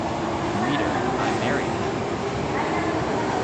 Reader, I married him.